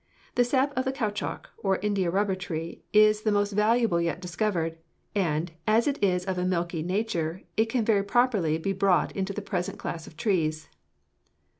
The sap of the caoutchouc, or India rubber, tree is the most valuable yet discovered, and, as it is of a milky nature, it can very properly be brought into the present class of trees."